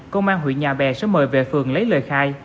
công an huyện nhà bè sẽ mời về phường lấy lời khai